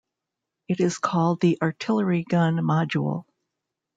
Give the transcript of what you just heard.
It is called the Artillery Gun Module.